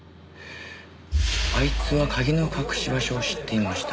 あいつは鍵の隠し場所を知っていました。